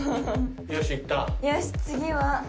よし次は？